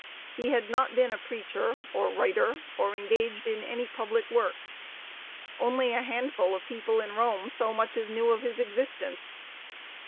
He had not been a preacher or writer or engaged in any public work. Only a handful of people in Rome so much as knew of his existence.